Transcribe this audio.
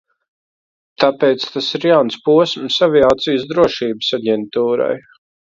Tāpēc tas ir jauns posms Aviācijas drošības aģentūrai.